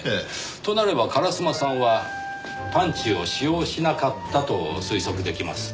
となれば烏丸さんはパンチを使用しなかったと推測出来ます。